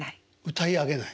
歌い上げない。